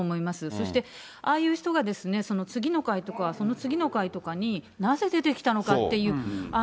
そして、ああいう人が次の回とか、その次の回とかに、なぜ出てきたのかっていう。